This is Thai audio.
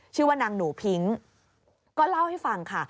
ชื่อว่านางหนูพิ้งก็เล่าให้ฟังค่ะ